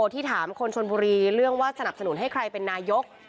ที่ถามคนชนบุรีเรื่องว่าสนับสนุนให้ใครเป็นนายก